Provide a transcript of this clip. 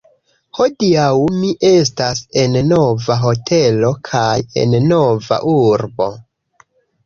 Hodiaŭ mi estas en nova hotelo kaj en nova urbo.